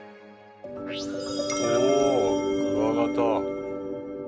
おおクワガタ。